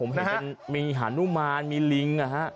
ผมเห็นมีหานุมานมีลิงนะฮะ